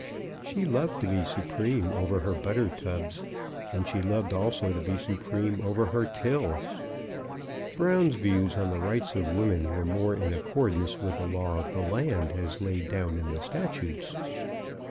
She loved to be supreme over her butter tubs, and she loved also to be supreme over her till. Brown's views on the rights of women were more in accordance with the law of the land as laid down in the statutes.